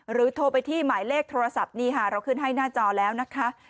โทรไปที่หมายเลขโทรศัพท์นี่ค่ะเราขึ้นให้หน้าจอแล้วนะคะ